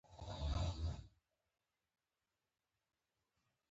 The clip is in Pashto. هغه سړو سره مو د خداے په اماني وکړه